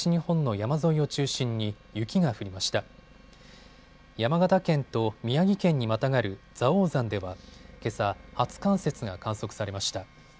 山形県と宮城県にまたがる蔵王山ではけさ、初冠雪が観測されました。